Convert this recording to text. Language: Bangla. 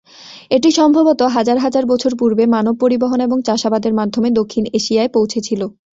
এটি সম্ভবত হাজার হাজার বছর পূর্বে মানব পরিবহন এবং চাষাবাদের মাধ্যমে দক্ষিণ এশিয়ায় পৌঁছেছিল।